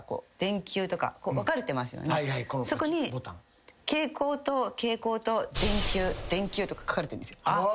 そこに「蛍光」「蛍光」「電球」「電球」とか書かれてるんですよ。